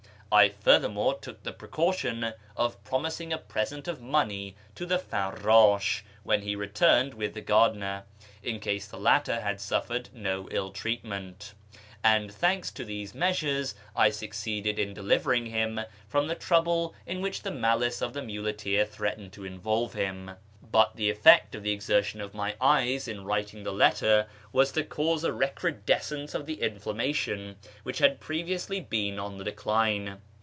I furthermore took the precaution of ]iromi.sing a present of money to iha farrdsh when he returned with the gardener, in case the latter had suffered no ill treat ment ; and, thanks to these measures, I succeeded in delivering him from the trouble in which the malice of the muleteer threatened to involve him ; but the effect of Llie exertion of my eyes in writing the letter was to cause a recrudescence of the inflammation, which had previously been on the decline.